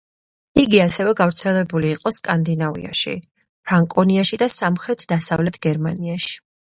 იგი ასევე გავრცელებული იყო სკანდინავიაში, ფრანკონიაში და სამხრეთ-დასავლეთ გერმანიაში.